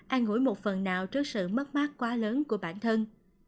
ăn ngủi một phần nào trước sự mất mát quá lớn của bản thân